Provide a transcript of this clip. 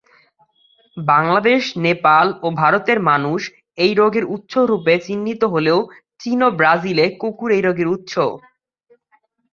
বাংলাদেশ, নেপাল ও ভারতের 'মানুষ' এই রোগের উৎস রূপে চিহ্নিত হলেও চীন ও ব্রাজিলে 'কুকুর' এই রোগের উৎস।